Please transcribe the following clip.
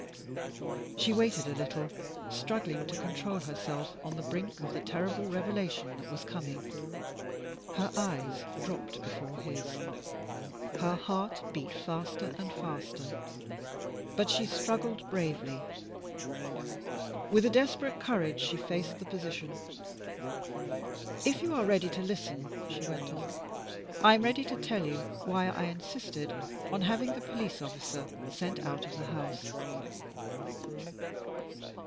She waited a little, struggling to control herself on the brink of the terrible revelation that was coming. Her eyes dropped before his; her heart beat faster and faster; but she struggled bravely. With a desperate courage she faced the position. "If you are ready to listen," she went on, "I am ready to tell you why I insisted on having the police officer sent out of the house."